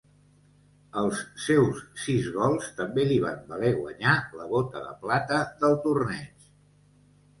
Els seus sis gols també li van valer guanyar la Bota de Plata del torneig.